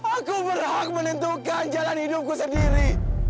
aku berhak menentukan jalan hidupku sendiri